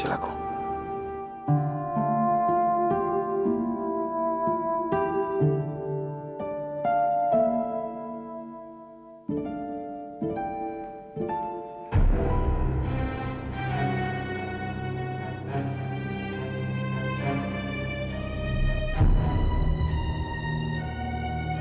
saya gak pengen lagi buat dua